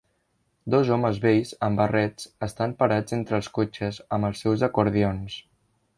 Dos homes vells amb barrets estan parats entre els cotxes amb els seus acordions.